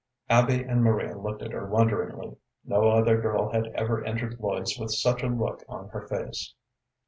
Abby and Maria looked at her wonderingly. No other girl had ever entered Lloyd's with such a look on her face.